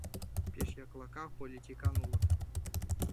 Пеш яклака политикан улыт!